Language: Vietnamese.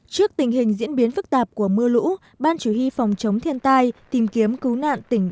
trước tình hình diễn biến phức tạp của mưa lũ ban chủ huy phòng chống thiên tai tìm kiếm cứu nạn tỉnh